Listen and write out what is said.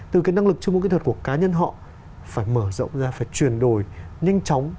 từ cái năng lực chuyên môn kỹ thuật của cá nhân họ phải mở rộng ra phải chuyển đổi nhanh chóng